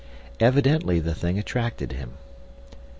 Evidently the thing attracted him.